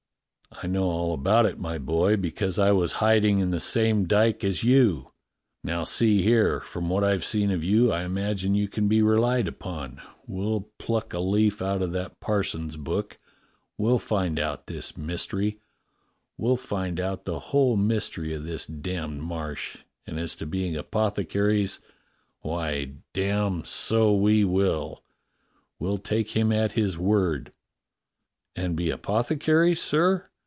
"I know all about it, my boy, because I was hiding in the same dyke as you. Now see here, from what I've seen of you, I imagine you can be relied upon. We'll pluck a leaf out of that parson's book. We'll find out his mystery. We'll find out the whole mystery of this damned Marsh, and as to being apothecaries, why, damme, so we will. We'll take him at his word." "And be apothecaries, sir.